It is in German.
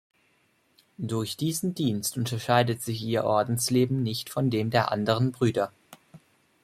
Durch diesen Dienst unterscheidet sich ihr Ordensleben nicht von dem der anderen Brüder.